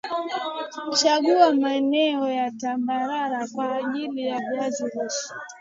chagua maeneo ya tambarare kwa ajili ya viazi lishe